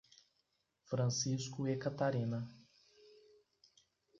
Francisco e Catarina